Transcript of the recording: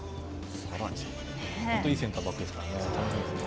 本当にいいセンターバックですからね。